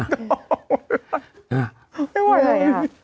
อ่ะหน่วยเหนื่อยอะ